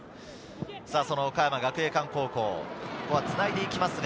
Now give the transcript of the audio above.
岡山学芸館高校、つないでいきます。